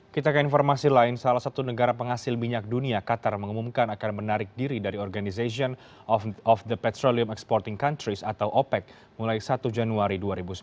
kita ke informasi lain salah satu negara penghasil minyak dunia qatar mengumumkan akan menarik diri dari organization of the petrolium exporting countries atau opec mulai satu januari dua ribu sembilan belas